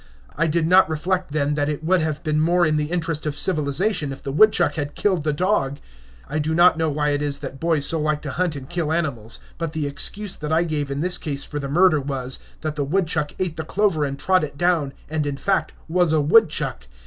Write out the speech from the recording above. I did not reflect then that it would have been more in the interest of civilization if the woodchuck had killed the dog. I do not know why it is that boys so like to hunt and kill animals; but the excuse that I gave in this case for the murder was, that the woodchuck ate the clover and trod it down, and, in fact, was a woodchuck.